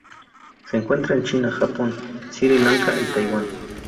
Se encuentra en China, Japón, Sri Lanka, y Taiwan.